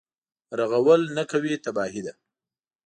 رغول نه کوي تباهي ده.